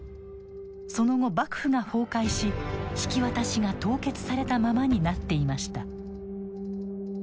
その後幕府が崩壊し引き渡しが凍結されたままになっていました。